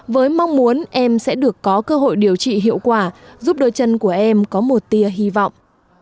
với mong muốn em sẽ được có cơ hội điều trị hiệu quả giúp đôi chân của em có một tia hy vọng